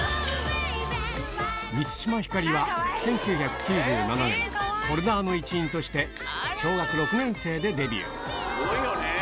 満島ひかりは１９９７年Ｆｏｌｄｅｒの一員として小学６年生でデビュー